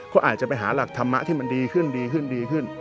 เขาก็อาจจะไปหาหลักธรรมะที่มันดีขึ้น